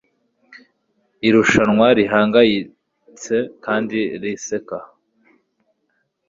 Irushanwa rihangayitse kandi riseka